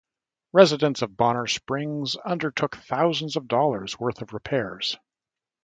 Residents of Bonner Springs undertook thousands of dollars worth of repairs.